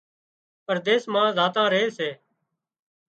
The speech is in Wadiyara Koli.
پرديس مان زاتان ري سي